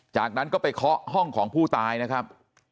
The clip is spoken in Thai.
จากนั้นก็ไปเคาะห้องของผู้ตายนะครับ